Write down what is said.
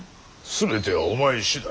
全てはお前次第。